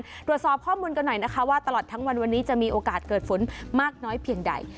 ตรวจสอบข้อมูลกันหน่อยนะคะว่าตลอดทั้งวันวันนี้จะมีโอกาสเกิดฝนมากน้อยเพียงใด